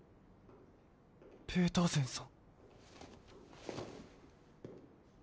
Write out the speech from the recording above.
ペーターゼンさん。